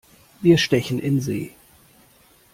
Wir stechen in See!